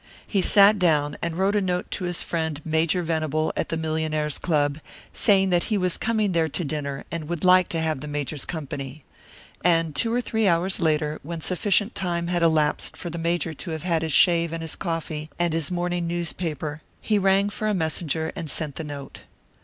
He sat down and wrote a note to his friend Major Venable, at the Millionaires' Club, saying that he was coming there to dinner, and would like to have the Major's company. And two or three hours later, when sufficient time had elapsed for the Major to have had his shave and his coffee and his morning newspaper, he rang for a messenger and sent the note.